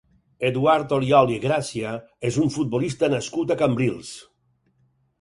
Eduard Oriol i Gràcia és un futbolista nascut a Cambrils.